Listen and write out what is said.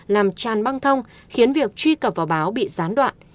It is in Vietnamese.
làm tràn băng thông khiến việc truy cập vào báo bị gián đoạn